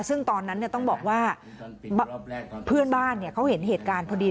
ซึ่งตอนนั้นต้องบอกว่าเพื่อนบ้านเขาเห็นเหตุการณ์พอดี